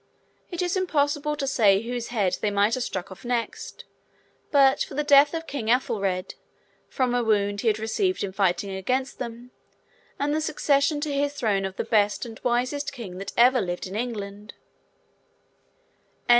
It is impossible to say whose head they might have struck off next, but for the death of King Ethelred from a wound he had received in fighting against them, and the succession to his throne of the best and wisest king that ever lived in England.